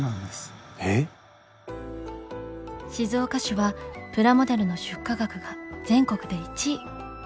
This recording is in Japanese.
静岡市はプラモデルの出荷額が全国で１位。